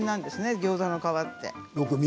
ギョーザの皮って。